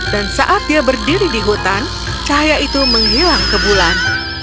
dan saat dia berdiri di hutan cahaya itu menghilang ke bulan